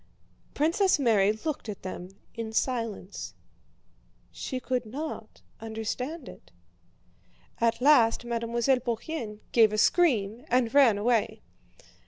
Princess Mary looked at them in silence. She could not understand it. At last Mademoiselle Bourienne gave a scream and ran away.